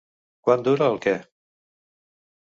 Quant dura el què?